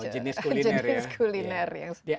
jenis kuliner ya